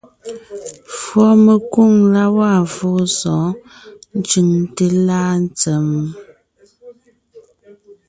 Fùɔmekwoŋ la gwaa fóo sɔ̌ɔn ncʉŋte láa ntsèm?